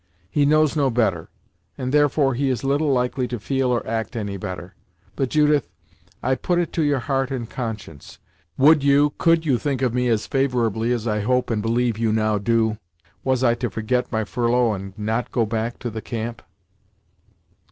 He knows no better, and, therefore, he is little likely to feel or to act any better; but, Judith, I put it to your heart and conscience would you, could you think of me as favorably, as I hope and believe you now do, was I to forget my furlough and not go back to the camp?"